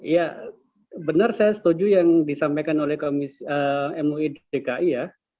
ya benar saya setuju yang disampaikan oleh mui dki ya